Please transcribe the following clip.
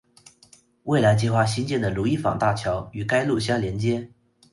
未来计划兴建的如意坊大桥与该路相连接。